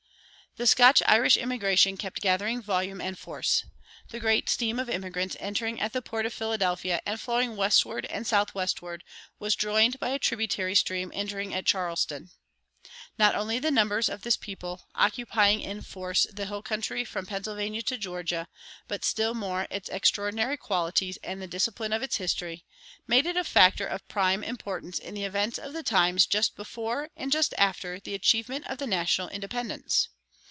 The Scotch Irish immigration kept gathering volume and force. The great stream of immigrants entering at the port of Philadelphia and flowing westward and southwestward was joined by a tributary stream entering at Charleston. Not only the numbers of this people, occupying in force the hill country from Pennsylvania to Georgia, but still more its extraordinary qualities and the discipline of its history, made it a factor of prime importance in the events of the times just before and just after the achievement of the national independence.